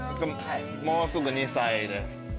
もうすぐ２歳です。